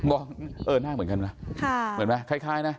เออหน้าเหมือนกันมั้ยค่ะเหมือนมั้ยคล้ายนะ